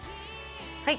はい！